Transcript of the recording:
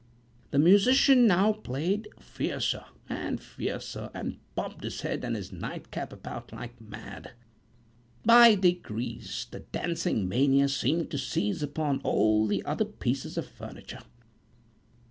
The musician now played fiercer and fiercer, and bobbed his head and His nightcap about like mad. By degrees the dancing mania seemed to seize upon all the other pieces of furniture.